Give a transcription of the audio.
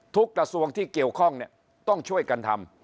กระทรวงที่เกี่ยวข้องต้องช่วยกันทำ